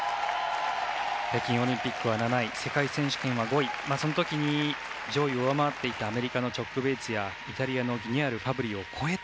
北京オリンピックは７位世界選手権は５位その時に上位を上回っていたアメリカの選手やイタリアのギニャールファブリを超えて